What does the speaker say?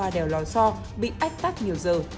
đèo lòi so bị ách tắt nhiều giờ